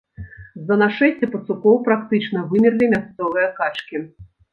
З-за нашэсця пацукоў практычна вымерлі мясцовыя качкі.